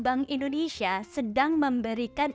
bank indonesia sedang memberikan